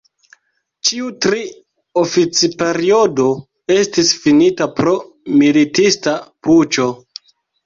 Ĉiu tri oficperiodo estis finita pro militista puĉo.